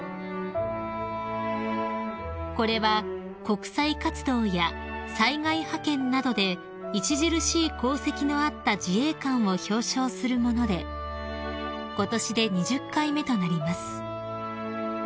［これは国際活動や災害派遣などで著しい功績のあった自衛官を表彰するものでことしで２０回目となります］